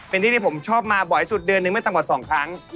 เป็นที่ที่ผมชอบมาบ่อยสุดเดือนนึงไม่ต่ำกว่า๒ครั้ง